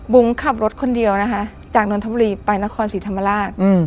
ขับรถคนเดียวนะคะจากนนทบุรีไปนครศรีธรรมราช